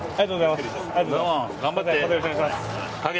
またよろしくお願いします。